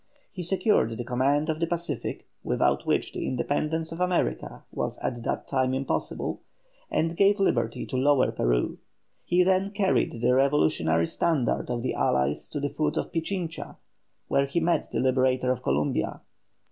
He secured the command of the Pacific, without which the independence of America was at that time impossible, and gave liberty to Lower Peru. He then carried the revolutionary standard of the allies to the foot of Pichincha, where he met the liberator of Columbia.